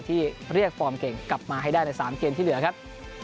ที่เรียกฟอร์มเก่งกลับมาให้ได้ใน๓เกมที่เหลือครับ